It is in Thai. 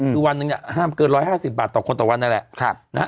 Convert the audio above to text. คือวันหนึ่งเนี่ยห้ามเกิน๑๕๐บาทต่อคนต่อวันนั่นแหละ